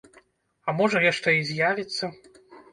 А можа яшчэ і з'явіцца?